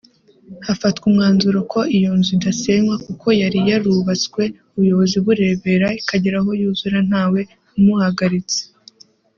hafatwa umwanzuro ko iyo nzu idasenywa kuko yari yarubatswe ubuyobozi burebera ikagera aho yuzura ntawe umuhagaritse